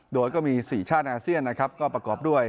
โดยก็มี๔ชาติอเทียนก็ประกอบด้วย